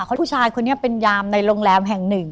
เพราะผู้ชายคนนี้เป็นยามในโรงแรมแห่งหนึ่ง